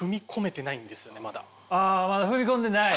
あまだ踏み込んでない？